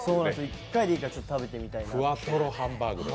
一回でいいから食べてみたいなと。